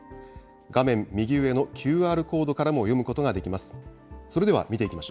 画面右上のＱＲコードからも読むことができます。